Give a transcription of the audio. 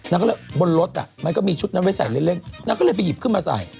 นางก็เลยบนรถอ่ะมันก็มีชุดนั้นไว้ใส่เล่นนางก็เลยไปหยิบขึ้นมาใส่